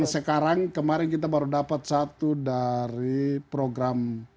sekarang kemarin kita baru dapat satu dari program